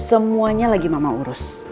semuanya lagi mama urus